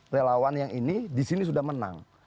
relawan yang ini disini sudah menang